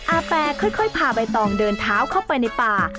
อาแปค่อยพาใบตองเดินเท้าเข้าไปในป่า